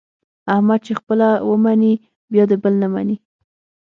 احمد چې خپله و مني بیا د بل نه مني.